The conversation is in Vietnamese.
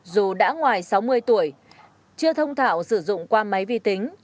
dù đã ngoài sáu mươi tuổi chưa thông thảo sử dụng qua máy vi tính